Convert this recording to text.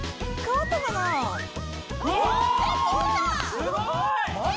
すごい！